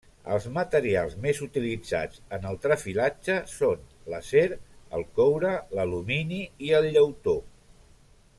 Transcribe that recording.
Els materials més utilitzats en el trefilatge són l'acer, el coure, l'alumini i el llautó.